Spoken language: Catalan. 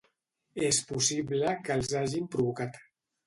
És possible que els hagin provocat.